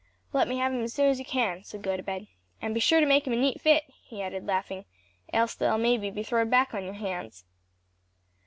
"Let me have 'em as soon as you can," said Gotobed. "And be sure to make 'em a neat fit," he added, laughing, "else they'll, maybe be throwed back on your hands."